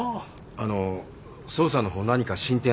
あの捜査の方何か進展ありましたか？